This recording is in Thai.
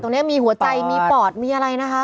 นี้มีหัวใจมีปอดมีอะไรนะคะ